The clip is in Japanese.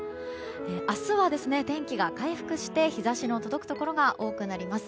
明日は天気が回復して日差しの届くところが多くなります。